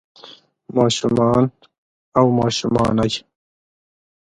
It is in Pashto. ما شومان او ماشومانے